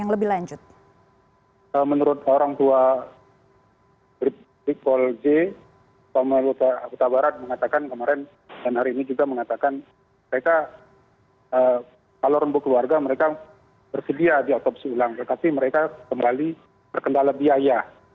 menurut orang tua pemelutas barat mengatakan kemarin dan hari ini juga mengatakan kalau rempuk keluarga mereka bersedia di atopsi ulang terkait mereka kembali berkendala biaya